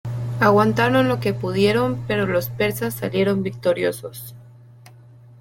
Aguantaron lo que pudieron, pero los persas salieron victoriosos.